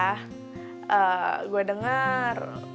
eh gua dengar